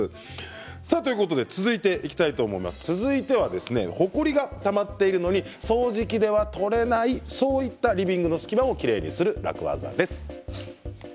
続いてほこりがたまっているのに掃除機では取れないそういったリビングの隙間をきれいにする楽ワザです。